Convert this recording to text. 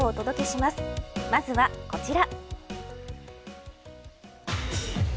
まずはこちら。